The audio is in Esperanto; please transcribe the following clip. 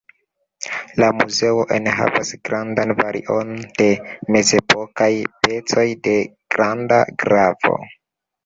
La muzeo enhavas grandan varion de mezepokaj pecoj de granda gravo.